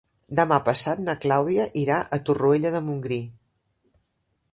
Demà passat na Clàudia irà a Torroella de Montgrí.